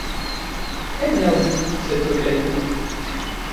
Elle vient d’où, cette cocaïne ?